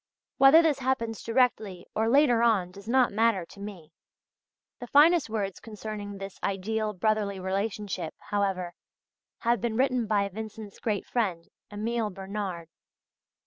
Whether this happens directly or later on does not matter to me" (see also page 17, line 20). The finest words concerning this ideal brotherly relationship, however, have been written by Vincent's great friend, Emile Bernard.